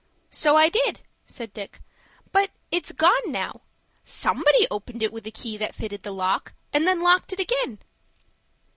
"So I did," said Dick. "But it's gone now. Somebody opened it with a key that fitted the lock, and then locked it ag'in."